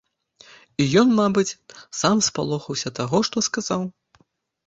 І ён, мабыць, сам спалохаўся таго, што сказаў.